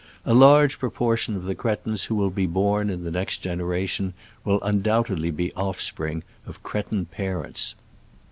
A large proportion of the cre tins who will be born in the next gen eration will undoubtedly be offspring of cretin parents.